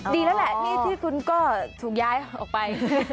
ดีแล้วแหละที่คุณก็ถูกย้ายออกไป